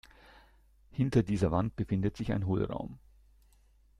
Hinter dieser Wand befindet sich ein Hohlraum.